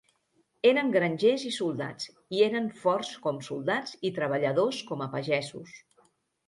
Eren grangers i soldats, i eren forts com soldats i treballadors com a pagesos.